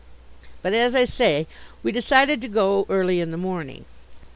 But, as I say, we decided to go early in the morning.